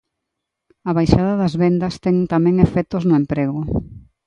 A baixada das vendas ten tamén efectos no emprego.